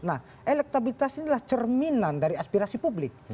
nah elektabilitas ini adalah cerminan dari aspirasi publik